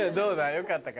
よかったか？